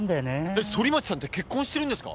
えっ反町さんって結婚してるんですか！？